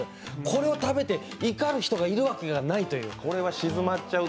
これを食べて怒る人がいるわけがいないという。